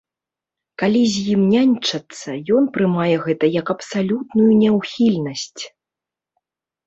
Калі з ім няньчацца, ён прымае гэта як абсалютную няўхільнасць.